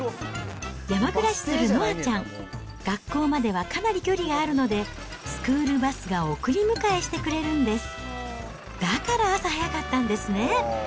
山暮らしするのあちゃん、学校まではかなり距離があるので、スクールバスが送り迎えしてくれるんです。